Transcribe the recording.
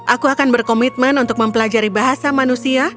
aku akan berkomitmen untuk mempelajari bahasa manusia